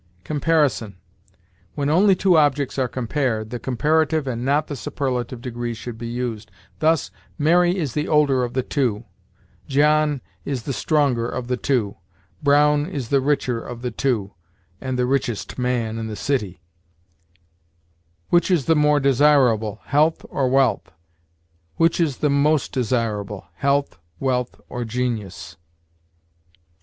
COMPARISON. When only two objects are compared, the comparative and not the superlative degree should be used; thus, "Mary is the older of the two"; "John is the stronger of the two"; "Brown is the richer of the two, and the richest man in the city"; "Which is the more desirable, health or wealth?" "Which is the most desirable, health, wealth, or genius?"